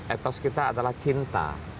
ethos kita adalah cinta